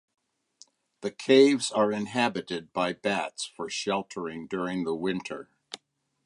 The caves are inhabited by bats for sheltering during the winter.